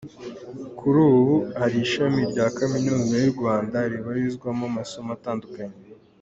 Kuri ubu hari ishami rya Kaminuza y’u Rwanda ribarizwamo amasomo atandukanye.